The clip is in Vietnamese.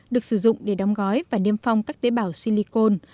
được sử dụng để đóng gói và niêm phong các tế bào silicon